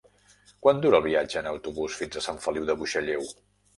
Quant dura el viatge en autobús fins a Sant Feliu de Buixalleu?